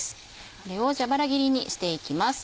これを蛇腹切りにしていきます。